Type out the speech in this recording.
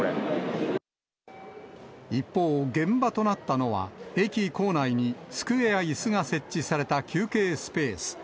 一方、現場となったのは、駅構内に机やいすが設置された休憩スペース。